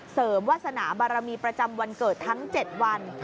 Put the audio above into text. วาสนาบารมีประจำวันเกิดทั้ง๗วัน